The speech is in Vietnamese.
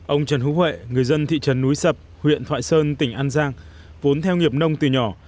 ông trần hữu huệ người dân thị trấn núi sập huyện thoại sơn tỉnh an giang vốn theo nghiệp nông từ nhỏ